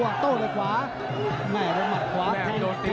ไม่เอาบังคว้าแข่งซ้าย